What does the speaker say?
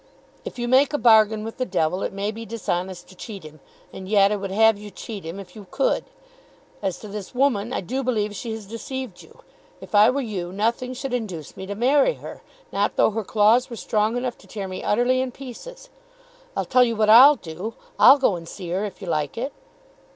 If you make a bargain with the Devil, it may be dishonest to cheat him, and yet I would have you cheat him if you could. As to this woman, I do believe she has deceived you. If I were you, nothing should induce me to marry her; not though her claws were strong enough to tear me utterly in pieces. I'll tell you what I'll do. I'll go and see her if you like it."